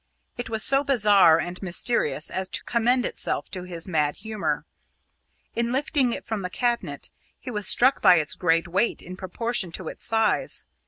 It was so bizarre and mysterious as to commend itself to his mad humour. In lifting it from the cabinet, he was struck by its great weight in proportion to its size.